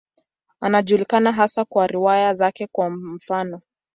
Anajulikana hasa kwa riwaya zake, kwa mfano.